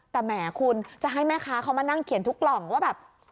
แต่แหมคุณจะให้แม่ค้าเขามานั่งเขียนทุกกล่องว่าแบบ